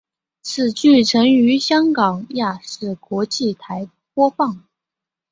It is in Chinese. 此剧曾于香港亚视国际台播出。